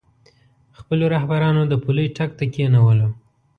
خپلو رهبرانو د پولۍ ټک ته کېنولو.